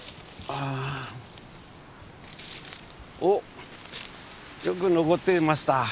おっよく残っていました。